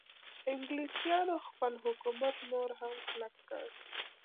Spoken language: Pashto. انګلیسانو خپل حکومت نور هم کلک کړ.